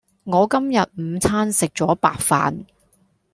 我今日午餐食咗白飯